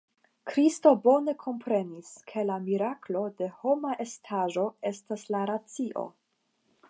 Kristo bone komprenis, ke la miraklo de homa estaĵo estas la racio.